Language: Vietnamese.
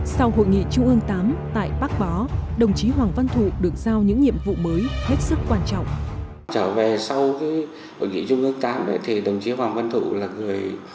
sau hội nghị trung ương viii tại bắc bó